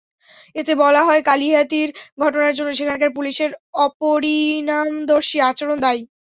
এতে বলা হয়, কালীহাতির ঘটনার জন্য সেখানকার পুলিশের অপরিণামদর্শী আচরণ দায়ী।